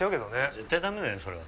絶対ダメだよそれは。